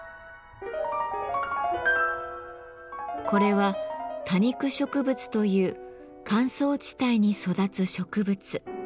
これは「多肉植物」という乾燥地帯に育つ植物。